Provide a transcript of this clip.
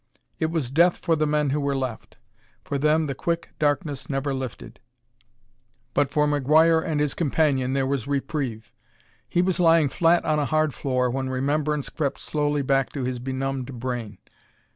It was death for the men who were left for them the quick darkness never lifted but for McGuire and his companion there was reprieve. He was lying flat on a hard floor when remembrance crept slowly back to his benumbed brain.